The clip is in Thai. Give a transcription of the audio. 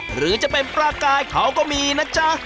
หรือจะเป็นปลากายเขาก็มีนะจ๊ะ